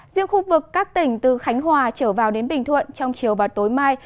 riêng khu vực các tỉnh từ khánh hòa trở vào đến bình thuận trong chiều và tối mai